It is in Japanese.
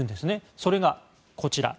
それが、こちら。